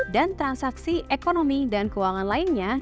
dan transaksi ekonomi dan keuangan lainnya